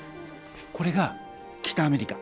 これが北アメリカ。